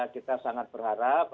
kita sangat berharap